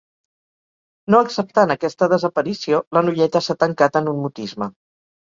No acceptant aquesta desaparició, la noieta s'ha tancat en un mutisme.